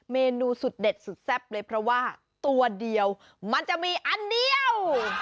เมนูสุดเด็ดสุดแซ่บเลยเพราะว่าตัวเดียวมันจะมีอันเดียว